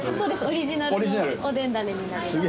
オリジナルのおでんだねになります。